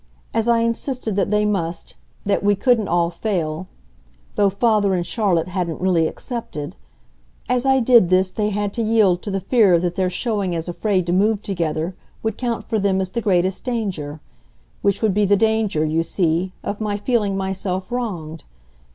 As I insisted that they must, that we couldn't all fail though father and Charlotte hadn't really accepted; as I did this they had to yield to the fear that their showing as afraid to move together would count for them as the greater danger: which would be the danger, you see, of my feeling myself wronged.